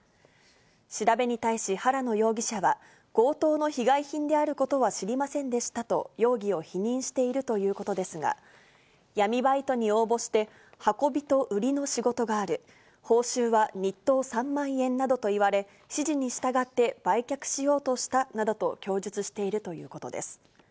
調べに対し原野容疑者は、強盗の被害品であることは知りませんでしたと、容疑を否認しているということですが、闇バイトに応募して、運びと売りの仕事がある、報酬は日当３万円などと言われ、指示に従って売却しようとしたなどと供述しているということです。